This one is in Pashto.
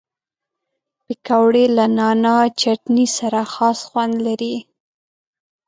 پکورې له نعناع چټني سره خاص خوند لري